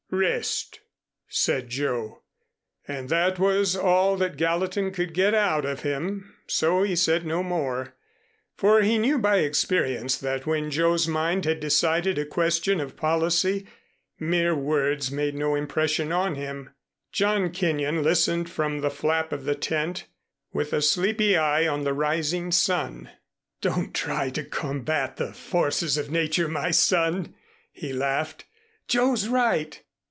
"Rest," said Joe. And that was all that Gallatin could get out of him, so he said no more, for he knew by experience that when Joe's mind had decided a question of policy, mere words made no impression on him. John Kenyon listened from the flap of the tent, with a sleepy eye on the rising sun. "Don't try to combat the forces of nature, my son," he laughed. "Joe's right!